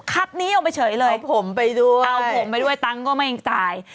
คับนี้ออกไปเฉยเลยเอาผมไปด้วยตังก็ไม่ตาย